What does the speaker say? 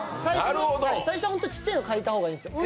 最初は本当にちっちゃいの書いた方がいいです「う